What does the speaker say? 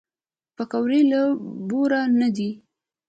پکورې له بوره نه دي